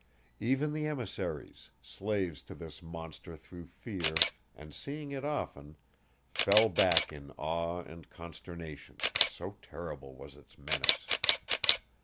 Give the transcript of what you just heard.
Even the emissaries, slaves to this monster through fear, and seeing it often, fell back in awe and consternation, so terrible was its menace.